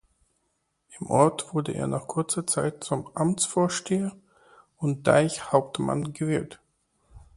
Im Ort wurde er nach kurzer Zeit zum Amtsvorsteher und Deichhauptmann gewählt.